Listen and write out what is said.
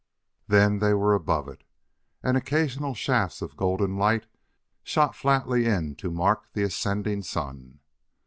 Then they were above it, and occasional shafts of golden light shot flatly in to mark the ascending sun.